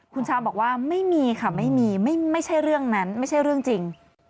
คุณชามบอกว่าไม่มีค่ะไม่มีไม่ใช่เรื่องนั้นไม่ใช่เรื่องจริง